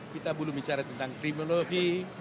kita belum bicara tentang kriminologi